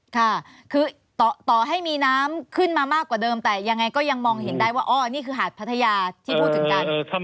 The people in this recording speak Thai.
ค่ะคือต่อให้มีน้ำขึ้นมามากกว่าเดิมแต่ยังไงก็ยังมองเห็นได้ว่าอ๋อนี่คือหาดพัทยาที่พูดถึงกัน